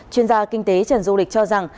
chuyên gia kinh tế trần du lịch cho rằng